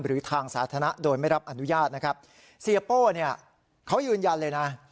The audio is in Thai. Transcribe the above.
หรือทางสาธารณะโดยไม่รับอนุญาตนะครับเสียโป้เนี่ยเขายืนยันเลยนะ